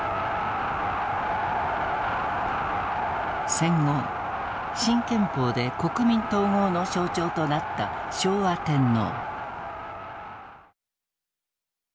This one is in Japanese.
戦後新憲法で国民統合の象徴となった昭和天皇。